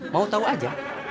mau tau aja